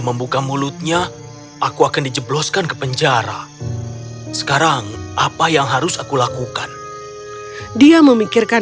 membuka mulutnya aku akan dijebloskan ke penjara sekarang apa yang harus aku lakukan dia memikirkan